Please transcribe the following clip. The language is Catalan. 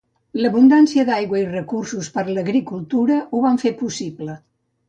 L'abundància d'aigua i recursos per a l'agricultura ho van fer possible.